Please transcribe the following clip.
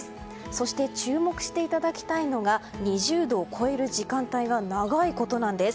そして注目していただきたいのが２０度を超える時間帯が長いことなんです。